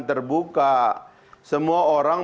terbuka semua orang